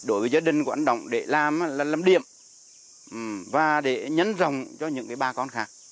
đối với gia đình của anh đỗ đình đồng để làm là làm điểm và để nhấn rộng cho những bà con khác